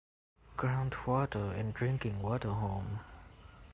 Ground Water and Drinking Water Home